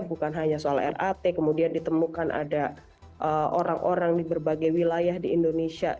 bukan hanya soal rat kemudian ditemukan ada orang orang di berbagai wilayah di indonesia